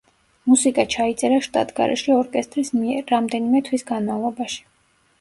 მუსიკა ჩაიწერა შტატგარეშე ორკესტრის მიერ, რამდენიმე თვის განმავლობაში.